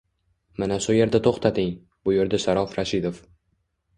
— Mana shu yerda to‘xtating! — buyurdi Sharof Rashidov.